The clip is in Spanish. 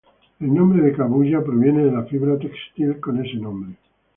El nombre de Cabuya proviene de la fibra textil con ese nombre.